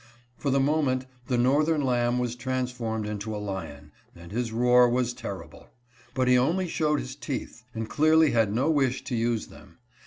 For the moment the northern lamb was transformed into a lion, and his roar was terrible. But he only showed his teeth, and clearly had no wish to use them.